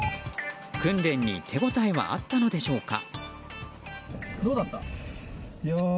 訓練に手応えはあったのでしょうか。